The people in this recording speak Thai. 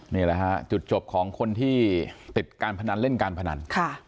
นี่แหละฮะจุดจบของคนที่ติดการพนันเล่นการพนัน